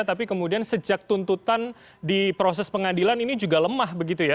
tapi kemudian sejak tuntutan di proses pengadilan ini juga lemah begitu ya